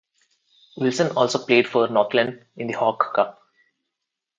Wilson also played for Northland in the Hawke Cup.